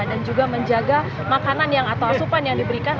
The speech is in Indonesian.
dan juga menjaga makanan yang atau asupan yang diberikan